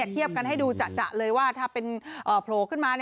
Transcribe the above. เทียบกันให้ดูจะเลยว่าถ้าเป็นโผล่ขึ้นมา